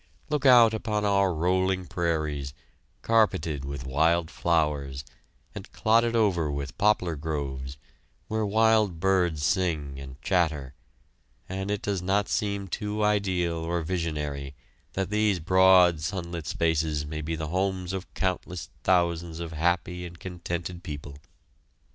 Look out upon our rolling prairies, carpeted with wild flowers, and clotted over with poplar groves, where wild birds sing and chatter, and it does not seem too ideal or visionary that these broad sunlit spaces may be the homes of countless thousands of happy and contented people.